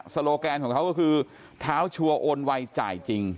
โลแกนของเขาก็คือเท้าชัวร์โอนไวจ่ายจริง